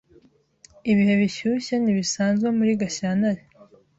Ibihe bishyushye ntibisanzwe muri Gashyantare.